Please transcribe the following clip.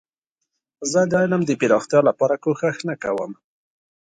زه د علم د پراختیا لپاره کوښښ نه کوم.